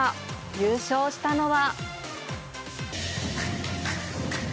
優勝したのは。